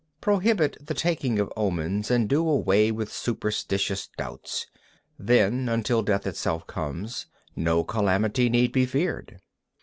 26. Prohibit the taking of omens, and do away with superstitious doubts. Then, until death itself comes, no calamity need be feared.